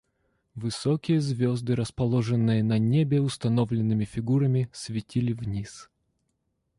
Высокие звезды, расположенные на небе установленными фигурами, светили вниз.